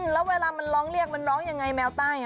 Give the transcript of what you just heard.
แล้วเวลามันร้องเรียกมันร้องยังไงแมวใต้